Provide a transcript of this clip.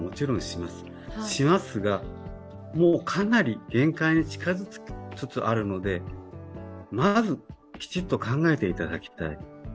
しますが、かなり限界に近づきつつあるので、まずきちっと考えていただきたい。